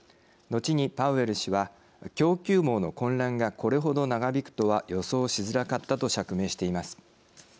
のちにパウエル氏は供給網の混乱がこれほど長引くとは予想しづらかったと釈明しています。